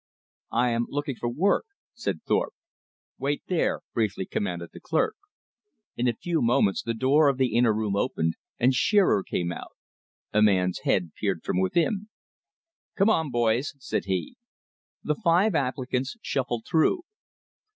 "I am looking for work," said Thorpe. "Wait there," briefly commanded the clerk. In a few moments the door of the inner room opened, and Shearer came out. A man's head peered from within. "Come on, boys," said he. The five applicants shuffled through.